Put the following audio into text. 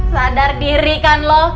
sadar diri kan lo